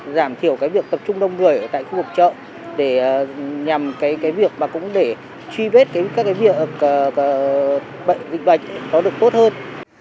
giảm thiểu việc tập trung đông người ở khu vực chợ để nhằm truy vết các việc bệnh bệnh nó được tốt hơn